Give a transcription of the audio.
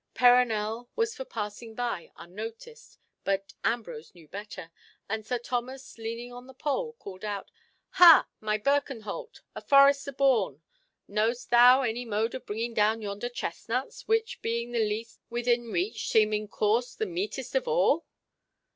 Perronel was for passing by unnoticed; but Ambrose knew better; and Sir Thomas, leaning on the pole, called out, "Ha, my Birkenholt, a forester born, knowst thou any mode of bringing down yonder chestnuts, which being the least within reach, seem in course the meetest of all."